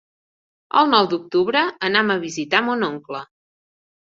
El nou d'octubre anam a visitar mon oncle.